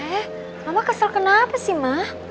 eh mama kesel kenapa sih mah